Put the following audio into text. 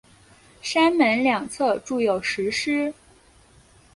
山门两侧筑有石狮。